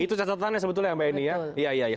itu catatannya sebetulnya yang saya ingin lihat